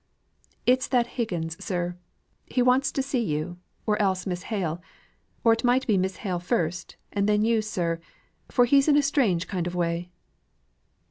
"It's that Higgins, sir. He wants to see you, or else Miss Hale. Or it might be Miss Hale first, and then you, sir; for he's in a strange kind of way."